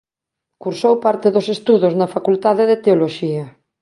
Cursou parte dos estudos na Facultade de Teoloxía.